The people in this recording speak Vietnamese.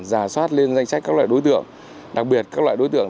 giả soát lên danh sách các loại đối tượng